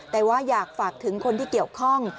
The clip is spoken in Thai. แต่ว่าอยากฝากถึงคนที่เกี่ยวข้อง